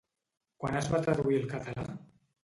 Quan es va traduir al català?